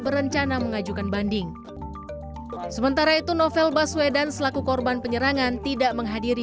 berencana mengajukan banding sementara itu novel baswedan selaku korban penyerangan tidak menghadiri